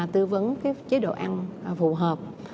tư vấn cái chế độ ăn phù hợp